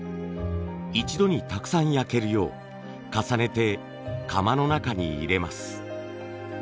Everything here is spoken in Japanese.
一度にたくさん焼けるよう重ねて窯の中に入れます。